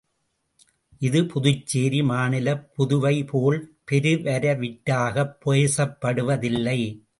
இது, புதுச்சேரி மாநிலப் புதுவைபோல் பெருவரவிற்றாகப் பேசப்படுவதில்லை.